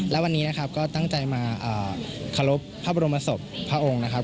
และวันนี้นะครับก็ตั้งใจมาเคารพพระบรมศพพระองค์นะครับ